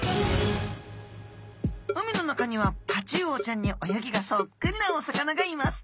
海の中にはタチウオちゃんに泳ぎがそっくりなお魚がいます。